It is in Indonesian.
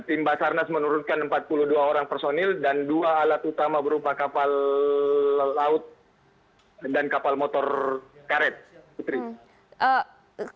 tim basarnas menurunkan empat puluh dua orang personil dan dua alat utama berupa kapal laut dan kapal motor karet putri